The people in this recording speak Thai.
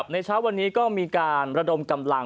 ในเช้าวันนี้ก็มีการระดมกำลัง